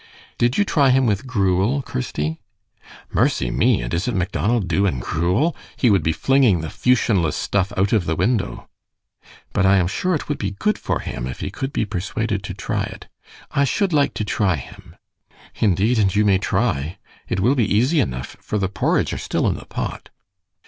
"Did you try him with gruel, Kirsty?" "Mercy me, and is it Macdonald Dubh and gruel? He would be flinging the 'feushionless' stuff out of the window." "But I am sure it would be good for him if he could be persuaded to try it. I should like to try him." "Indeed, and you may try. It will be easy enough, for the porridge are still in the pot."